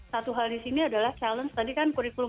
satu hal di sini adalah challenge tadi kan kurikulum